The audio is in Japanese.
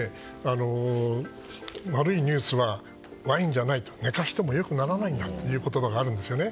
悪いニュースはワインじゃない寝かしても良くならないんだという言葉があるんですよね。